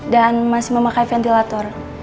dan masih memakai ventilator